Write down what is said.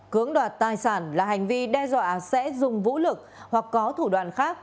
cưỡng đoạt tài sản là hành vi đe dọa sẽ dùng vũ lực hoặc có thủ đoàn khác